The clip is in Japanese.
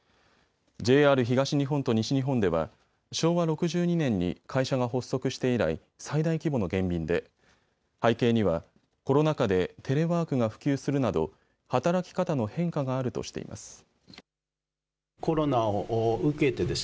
ＪＲ東日本と西日本では昭和６２年に会社が発足して以来、最大規模の減便で背景にはコロナ禍でテレワークが普及するなど働き方の変化があるとしています。